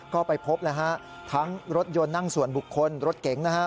ก็ไปพบเลยฮะทั้งรถยนต์นั่งส่วนบุคคลรถเก๋งนะฮะ